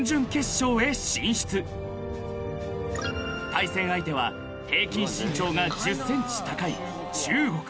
［対戦相手は平均身長が１０ｃｍ高い中国］